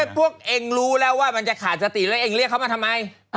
พวกเองรู้แล้วว่ามันจะขาดสติแล้วเองเรียกเขามาทำไม